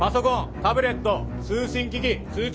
タブレット通信機器通帳